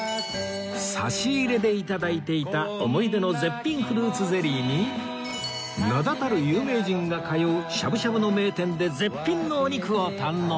差し入れでいただいていた思い出の絶品フルーツゼリーに名だたる有名人が通うしゃぶしゃぶの名店で絶品のお肉を堪能